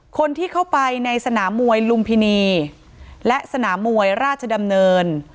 คนที่เข้าไปในสนามมวยลุมพินีและสนามมวยราชดำเนิน